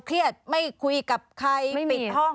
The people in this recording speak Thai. เครียดไม่คุยกับใครปิดห้อง